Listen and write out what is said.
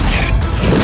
aku harus tumbuh